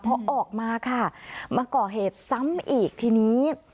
พอออกมาค่ะมาก่อเหตุซ้ำอีกทีนี้